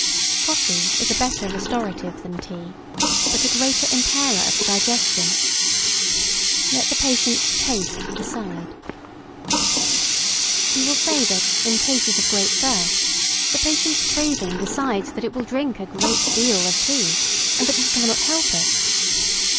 Coffee is a better restorative than tea, but a greater impairer of the digestion. Let the patient's taste decide. You will say that, in cases of great thirst, the patient's craving decides that it will drink a great deal of tea, and that you cannot help it.